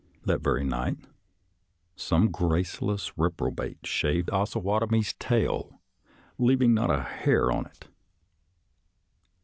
That very night some grace less reprobate shaved Ossawatomie's tail, leav ing not a hair on it.